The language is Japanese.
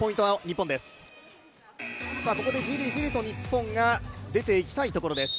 ここでじりじりと日本が出ていきたいところです。